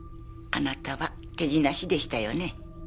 あなたは手品師でしたよね？